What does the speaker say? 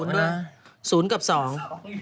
สูงเยอะนะสูงกับสอง